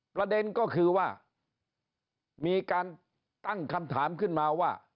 ประเด็นก็คือว่ามีการตั้งคำถามขึ้นมาว่า